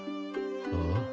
ああ。